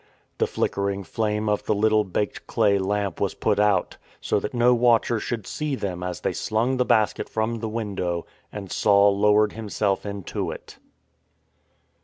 The flickering flame of the little baked clay lamp was put out, so that no watcher should see them as they slung the basket from the window and Saul lowered himself into it.